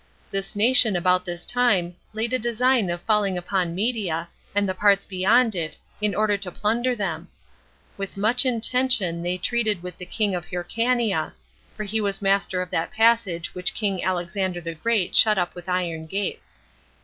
This nation about this time laid a design of falling upon Media, and the parts beyond it, in order to plunder them; with which intention they treated with the king of Hyrcania; for he was master of that passage which king Alexander [the Great] shut up with iron gates.